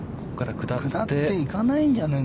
下っていかないんじゃないの？